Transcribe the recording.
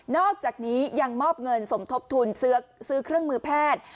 อกจากนี้ยังมอบเงินสมทบทุนซื้อเครื่องมือแพทย์